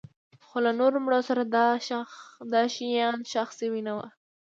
خو له نورو مړو سره دا ډول شیان ښخ شوي نه وو